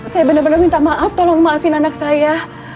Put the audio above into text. saya bener bener minta maaf tolong maafin anak saya